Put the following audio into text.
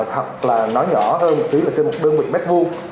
thật là nói nhỏ hơn một tí là trên một đơn vị mét vuông